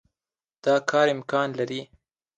دا کار امکان لري.